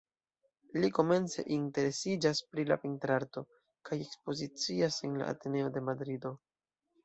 Li komence interesiĝas pri la pentrarto, kaj ekspozicias en la Ateneo de Madrido.